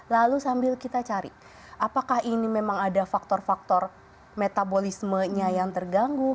lalu sambil kita cari apakah ini memang ada faktor faktor metabolismenya yang terganggu